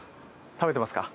食べてますか？